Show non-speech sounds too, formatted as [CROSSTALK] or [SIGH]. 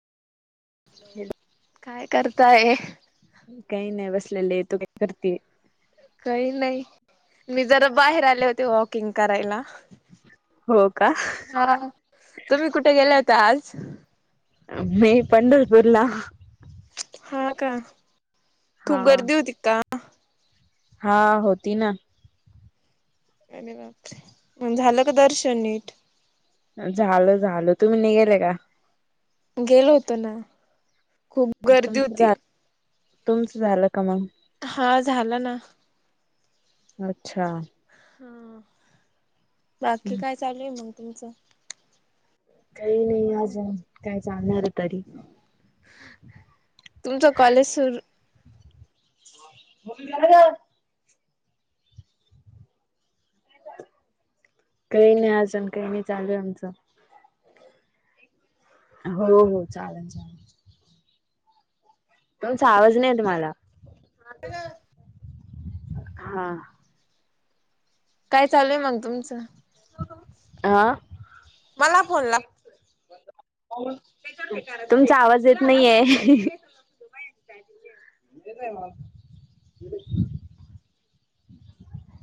काय करताय? काय नाय बसल्याली आय तू काय करते? काय नाय मी जरा बाहेर आले होते वॉकिंग करायला. हो का हा तुम्ही कुठे होत्या आज? मी पंढलपूरला. हा का, हा खूप गर्दी होती का? हा होती ना. म झालं का दर्शन नीट? झालं झालं, तुम्ही नीगेले का? गेलो होतो ना. खूप गर्दी तुमचं होती झा तुमचं झालं का मग? हा झाला ना. अच्छा. हा बाकी काय चालू आय मग तुमचं? काय नाही आजुन काय चालणार तरी. तुमच कॉलेज सुर [INAUDIBLE] काय नी आजुन आजण काय नी चालू आय आमचं. हो हो चालन चालन. तुमचा आवाज नाय येत मला. काय ग? हा. काय चालूय मग तुमचं? आ? मला फोन ला तुमचा आवाज येत नाहीये.